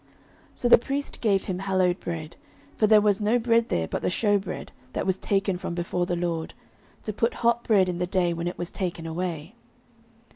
09:021:006 So the priest gave him hallowed bread: for there was no bread there but the shewbread, that was taken from before the LORD, to put hot bread in the day when it was taken away.